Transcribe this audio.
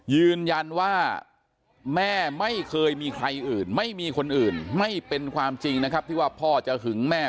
ยืนยันว่าแม่ไม่เคยมีใครอื่นไม่มีคนอื่นไม่เป็นความจริงนะครับที่ว่าพ่อจะหึงแม่